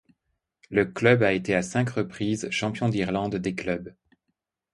Le club a été à cinq reprises champion d'Irlande des clubs.